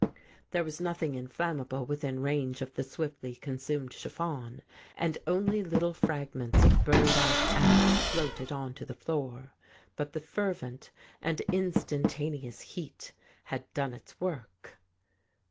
There was nothing inflammable within range of the swiftly consumed chiffon, and only little fragments of burned out ash floated on to the floor. But the fervent and instantaneous heat had done its work.